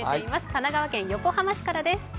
神奈川県横浜市からです。